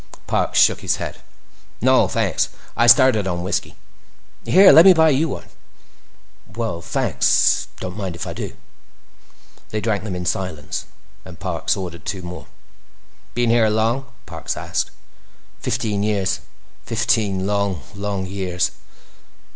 Parks shook his head. "No, thanks. I started on whiskey. Here, let me buy you one." "Well—thanks. Don't mind if I do." They drank them in silence, and Parks ordered two more. "Been here long?" Parks asked. "Fifteen years. Fifteen long, long years."